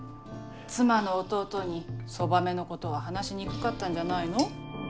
妻の弟にそばめのことは話しにくかったんじゃないの。